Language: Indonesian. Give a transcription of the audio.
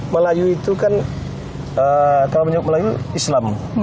melayu itu kan kalau menyebut melayu islam